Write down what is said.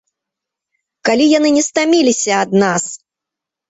Калі яны не стаміліся ад нас!